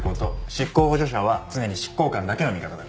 執行補助者は常に執行官だけの味方だから。